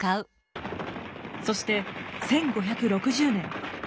そして１５６０年。